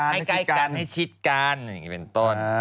ใกล้กันให้ชิดกันอย่างนี้เป็นต้น